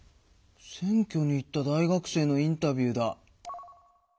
選挙に行った大学生のインタビューだ。